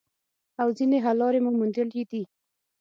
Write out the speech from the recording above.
او ځینې حل لارې مو موندلي دي